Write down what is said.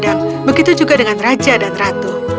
sang raksasa memandang begitu juga dengan raja dan ratu